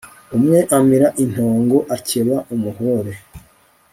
Umwe amira intongo akeba umuhore